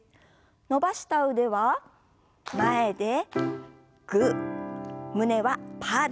伸ばした腕は前でグー胸はパーです。